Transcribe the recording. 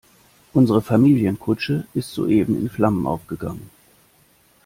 Unsere Familienkutsche ist soeben in Flammen aufgegangen.